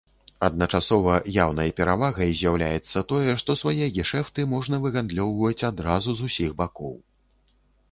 Адначасова яўнай перавагай з'яўляецца тое, што свае гешэфты можна выгандлёўваць адразу з усіх бакоў.